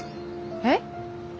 えっ？